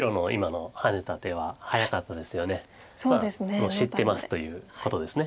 もう知ってますということです